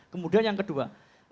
kemudian yang kedua